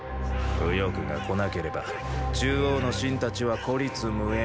右翼が来なければ中央の信たちは孤立無援。